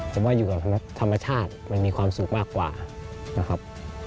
แต่ว่าอยู่กับธรรมชาติมันมีความสุขมากกว่านะครับ